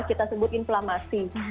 kita sebut inflamasi